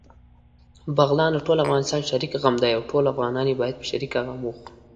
بغلان دټول افغانستان شريک غم دی، او ټول افغانان يې باېد په شريکه غم وخوري